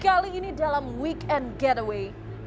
kali ini dalam weekend getaway